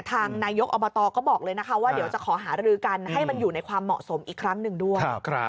ทางนายกอบตก็บอกเลยนะคะว่าเดี๋ยวจะขอหารือกันให้มันอยู่ในความเหมาะสมอีกครั้งหนึ่งด้วย